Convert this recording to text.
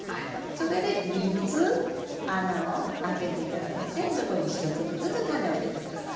それで３つ穴を開けて頂いてそこに１粒ずつタネを入れて下さい。